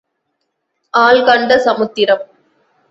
ஆள் கண்ட சமுத்திரம்.